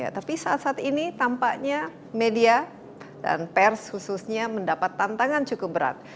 tapi saat saat ini tampaknya media dan pers khususnya mendapat tantangan cukup berat